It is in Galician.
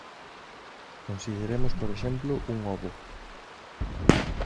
Consideremos por exemplo un ovo.